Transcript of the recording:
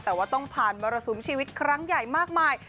แต่ว่าต้องผ่านมรสุมชีวิตครั้งใหญ่มากมาย